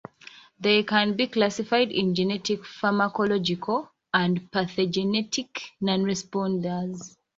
They can be classified in genetic, pharmacological and pathogenetic non-responders.